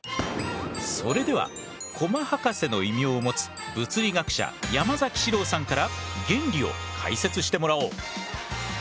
それではコマ博士の異名を持つ物理学者山崎詩郎さんから原理を解説してもらおう。